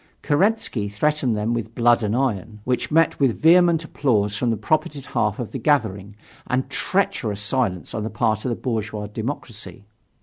Kerensky threatened them with blood and iron, which met with vehement applause from the propertied half of the gathering, and treacherous silence on the part of the bourgeois democracy.